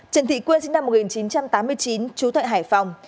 trần thị quyên sinh năm một nghìn chín trăm tám mươi chín chú tại hải phòng